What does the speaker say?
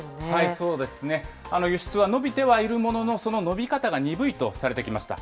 そうですね、輸出は伸びてはいるものの、その伸び方が鈍いとされてきました。